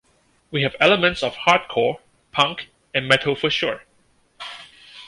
We have elements of hardcore, punk, and metal for sure.